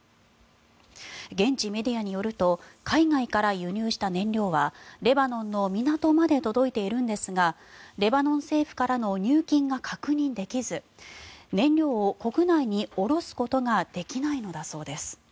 現地メディアによると海外から輸入した燃料はレバノンの港まで届いているんですがレバノン政府からの入金が確認できず燃料を国内に下ろすことができないのだそうです。